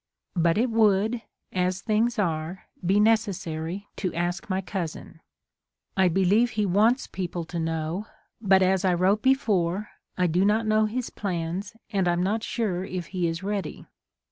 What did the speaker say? But it would, as things are, be necessary to ask my cousin. I be lieve he wants people to know, but, as I wrote before, I do not know his plans, and I'm not sure if he is ready.